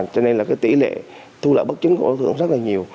cho nên là tỷ lệ thu lợi bất chứng của đối tượng rất là nhiều